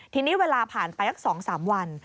ทีนี้เวลาผ่านไปสัก๒๓วัน